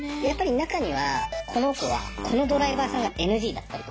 中にはこの子はこのドライバーさんがＮＧだったりとか。